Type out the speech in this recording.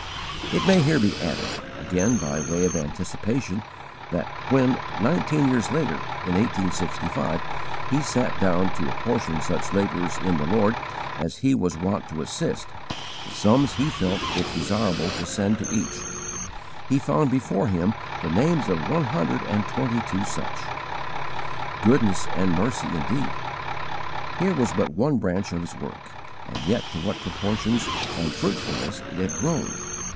It may here be added, again by way of anticipation, that when, nineteen years later, in 1865, he sat down to apportion to such labourers in the Lord as he was wont to assist, the sums he felt it desirable to send to each, he found before him the names of one hundred and twenty two such! Goodness and mercy indeed! Here was but one branch of his work, and yet to what proportions and fruitfulness it had grown!